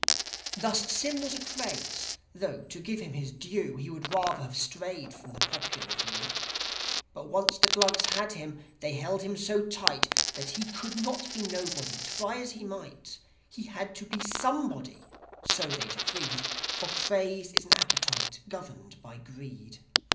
Thus, Sym was a craze; tho', to give him his due, He would rather have strayed from the popular view. But once the Glugs had him they held him so tight That he could not be nobody, try as he might. He had to be Somebody, so they decreed. For Craze is an appetite, governed by Greed.